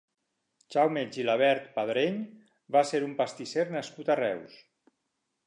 Jaume Gilabert Padreny va ser un pastisser nascut a Reus.